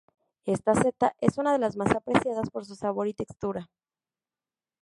Esta seta es una de las más apreciadas por su sabor y textura.